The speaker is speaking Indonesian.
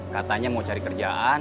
katanya mau cari kerjaan